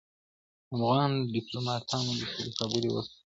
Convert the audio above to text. افغان ډیپلوماټانو د سولي خبري وکړې.